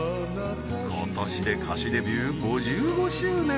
今年で歌手デビュー５５周年